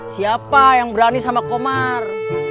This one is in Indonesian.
siapa yang berani sama komar